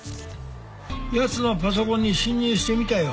やつのパソコンに侵入してみたよ。